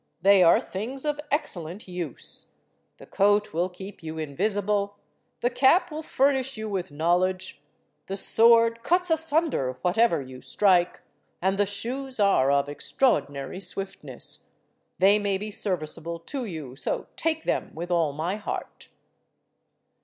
They are things of excellent use. The coat will keep you invisible, the cap will furnish you with knowledge, the sword cuts asunder whatever you strike, and the shoes are of extraordinary swiftness. They may be serviceable to you, so take them with all my heart."